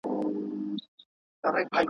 پوهان وايي چی پرمختيا يوه اوږده پروسه ده.